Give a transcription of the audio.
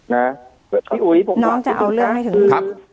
น้องจะเอาเรื่องให้ถึง